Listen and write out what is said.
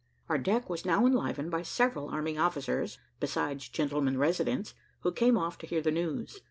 Our deck was now enlivened by several army officers, besides gentlemen residents, who came off to hear the news.